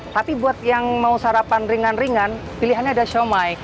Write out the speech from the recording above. tapi buat yang mau sarapan ringan ringan pilihannya ada siomay